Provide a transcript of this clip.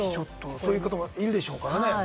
そういう方もいるでしょうからね。